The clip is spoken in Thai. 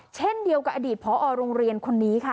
เช่นเดียวกับอดีตพอโรงเรียนคนนี้ค่ะ